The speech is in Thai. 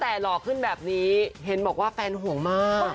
แต่หล่อขึ้นแบบนี้เห็นบอกว่าแฟนห่วงมาก